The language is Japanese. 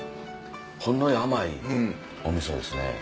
ほんのり甘いお味噌ですね。